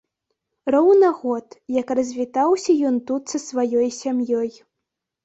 Роўна год, як развітаўся ён тут са сваёй сям'ёй.